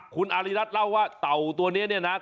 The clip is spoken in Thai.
คุณอาริรัติเล่าว่าเต่าตัวนี้เนี่ยนะ